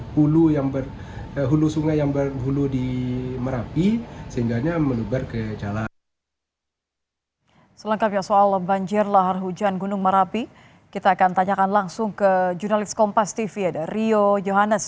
gunung marapi kembali memperlihatkan peningkatan aktivitas